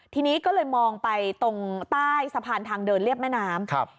ทีนี้ก็เลยมองไปตรงใต้สะพานทางเดินเรียบแม่น้ำ